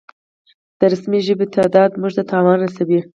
د رسمي ژبو تعداد مونږ ته تاوان رسوي